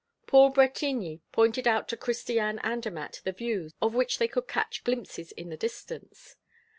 Paul Bretigny pointed out to Christiane Andermatt the views, of which they could catch glimpses in the distance.